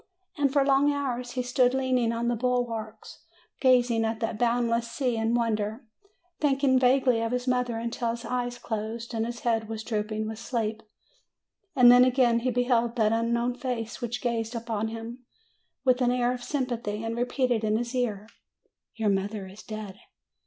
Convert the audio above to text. And for long hours he stood leaning on the bulwarks, gazing at that boundless sea in wonder, thinking vaguely of his mother until his eyes closed and his head was drooping with sleep; and then again he be held that unknown face which gazed upon him with an air of sympathy, and repeated in his ear, "Your mother is dead